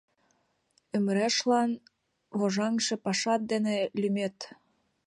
Ӱмырешлан вожаҥше пашат ден лӱмет!